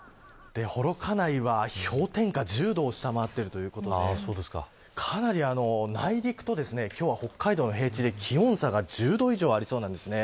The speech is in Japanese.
幌加内は氷点下１０度を下回っているということなのでかなり内陸と今日は北海道の平地で気温差が１０度以上ありそうなんですね。